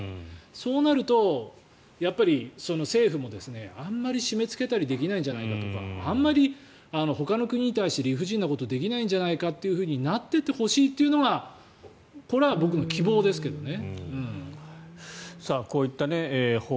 そうなると、政府もあんまり締めつけたりできないんじゃないかとかあまりほかの国に対して理不尽なことはできないんじゃないかとなっていってほしいというのがこれは僕の希望ですけどね。